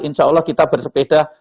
insya allah kita bersepeda